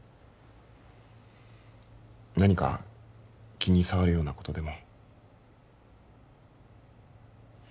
何か気に障るようなことでも？